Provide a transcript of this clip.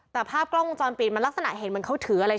แต่ภาพกล้องวงจรปิดมันลักษณะเห็นเหมือนเขาถืออะไร